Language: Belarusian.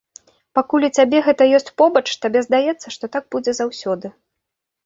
Пакуль у цябе гэта ёсць побач, табе здаецца, што так будзе заўсёды.